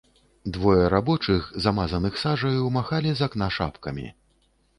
Двое рабочых, замазаных сажаю, махалі з акна шапкамі.